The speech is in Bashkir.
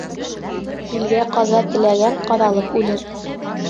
Илгә ҡаза теләгән ҡаҙалып үлер.